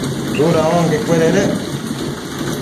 ¿tsuda onquecuededec?